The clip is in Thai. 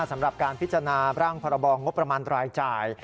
สำหรับการพิจารณาร่างพรบองงบประมาณรายจ่าย